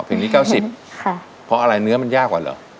เพลงนี้เก้าสิบค่ะเพราะอะไรเนื้อมันยากกว่าเหรอ